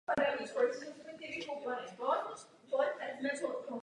Celá procedura trvá řádově několik minut.